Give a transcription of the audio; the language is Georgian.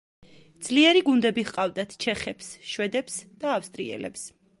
ძლიერი გუნდები ჰყავდათ ჩეხებს, შვედებს და ავსტრიელებს.